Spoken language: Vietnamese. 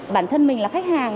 bản thân mình là khách hàng